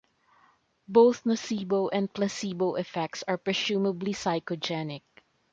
Both nocebo and placebo effects are presumably psychogenic.